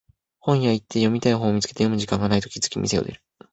本屋行って読みたい本を見つけて読む時間がないと気づき店を出る